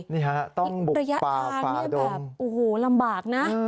นี่ฮะต้องบุกป่าป่าดมอีกระยะทางแบบโอ้โหลำบากนะ